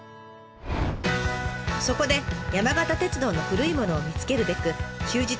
そこで山形鉄道の古いものを見つけるべく休日